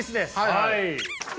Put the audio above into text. はい。